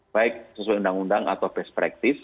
baik sesuai undang undang atau perspektif